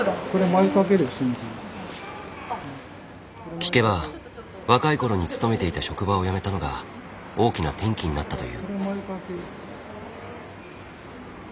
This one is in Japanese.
聞けば若い頃に勤めていた職場を辞めたのが大きな転機になったという。